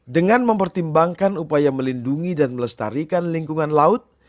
dengan mempertimbangkan upaya melindungi dan melestarikan lingkungan laut